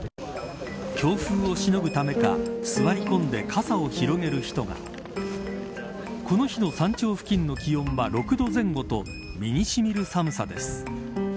強風をしのぐためか傘を開いて休んでる人がこの日の山頂付近の気温は６度前後と身に染みる寒さです。